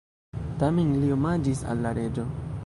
Tamen li omaĝis al la reĝo.